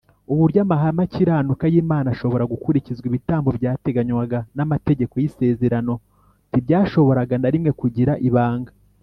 uburyo amahame akiranuka y Imana ashobora gukurikizwa Ibitambo byateganywaga n Amategeko y isezerano ntibyashoboraga na rimwe kugira ibanga